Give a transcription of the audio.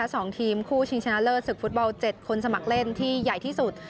สองทีมคู่สิ่งชนะเลอร์สิ่งฟุตบอล๗คนสมัครเล่นที่ใหญ่ที่สุด